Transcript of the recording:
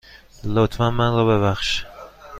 لطفاً من را ببخش.